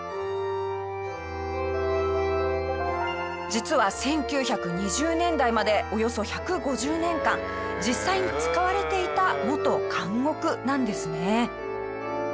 実は１９２０年代までおよそ１５０年間実際に使われていた元監獄なんですね。